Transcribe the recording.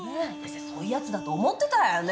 そういう奴だと思ってたよね。